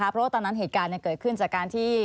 เพราะว่าตอนนั้นเหตุการณ์เกิดขึ้นจากการที่